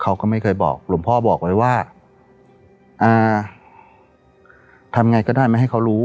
เขาก็ไม่เคยบอกหลวงพ่อบอกไว้ว่าอ่าทำไงก็ได้ไม่ให้เขารู้